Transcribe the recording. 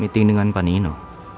meeting dengan pani ino